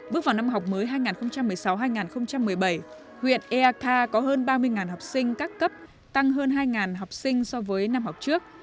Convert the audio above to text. bước vào năm học mới hai nghìn một mươi sáu hai nghìn một mươi bảy huyện eakar có hơn ba mươi học sinh các cấp tăng hơn hai học sinh so với năm học trước